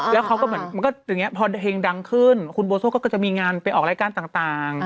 แล้วเขาก็เหมือนมันก็อย่างนี้พอเพลงดังขึ้นคุณโบโซ่ก็จะมีงานไปออกรายการต่าง